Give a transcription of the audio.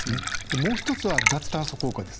もう１つは、脱炭素効果です。